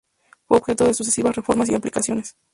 Fue objeto de sucesivas reformas y ampliaciones.